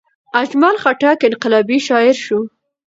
اجمل خټک انقلابي شاعر شو.